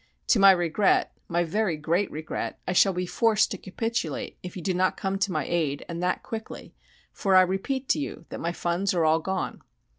To my regret, my very great regret, I shall be forced to capitulate if you do not come to my aid and that quickly, for I repeat to you that my funds are all gone."